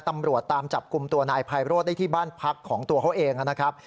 ตำรวจตามจับกลุ่มตัวนายไพโรธได้ที่บ้านพักของตัวเขาเองนะครับ